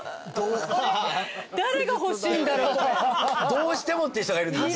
どうしてもっていう人がいる。